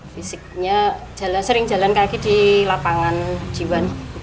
fisiknya sering jalan kaki di lapangan jiwan